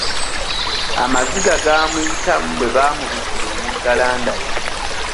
Amaziga gaamuyitamu bwe baamubikira omugalanda we.